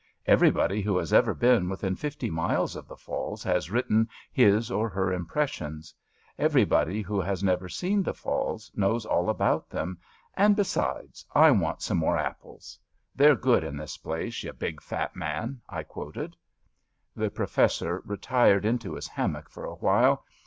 Every body who has ever been within fifty miles of the falls has written his or her impressions. Every body who has never seen the falls knows all about them, and — ^besides, I want some more apples. They^re good in this place, ye big fat man, I quoted. The Professor retired into his haromock for a while.